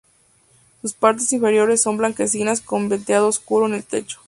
Sus partes inferiores son blanquecinas, con veteado oscuro en el pecho.